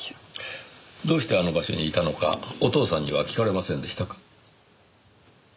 どうしてあの場所にいたのかお父さんには聞かれませんでしたか？